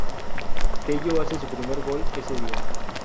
Tello hace su primer gol ese día.